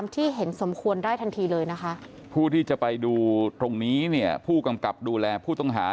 ตรงนี้ผู้กำกับดูแลผู้ต้องหา